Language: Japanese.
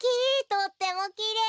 とってもきれい！